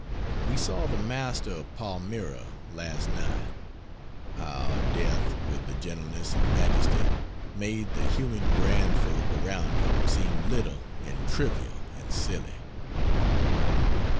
We saw the "Master of Palmyra" last night. How Death, with the gentleness and majesty, made the human grand folk around him seem little and trivial and silly!